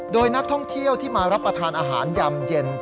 โดยนักท่องเที่ยวที่มารับประทานอาหารยำเย็น